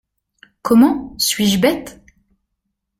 Comment, je suis bête ?